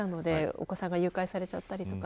お子さんが誘拐されちゃったりとか。